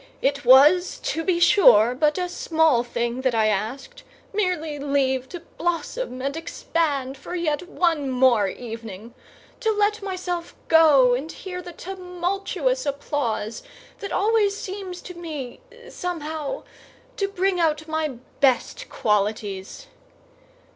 "It was, to be sure, but a small thing that I asked—merely leave to blossom and expand for yet one more evening, to let myself go and hear the tumultuous applause that always seems to me—somehow—to bring out my best qualities.